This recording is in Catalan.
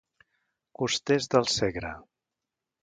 Costers del Segre.